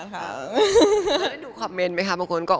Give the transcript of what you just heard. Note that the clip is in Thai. หนูคอมเมนต์ไหมคะบางคน